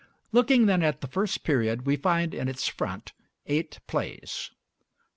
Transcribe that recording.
Looking then at the first period, we find in its front eight plays: 1.